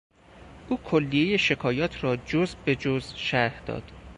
او کلیهی شکایات را جز به جز شرح داد.